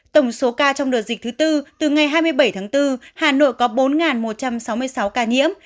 tổng số ca trong đợt dịch thứ tư từ ngày hai mươi bảy tháng bốn hà nội có bốn một trăm sáu mươi sáu ca nhiễm